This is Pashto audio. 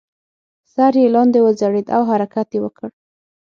سر یې لاندې وځړید او حرکت یې وکړ.